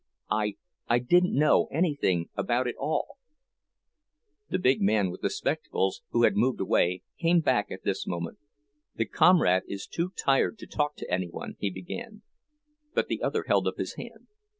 I—I didn't know anything about it all—" The big man with the spectacles, who had moved away, came back at this moment. "The comrade is too tired to talk to any one—" he began; but the other held up his hand.